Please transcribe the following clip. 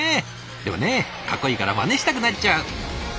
でもねカッコいいからまねしたくなっちゃう！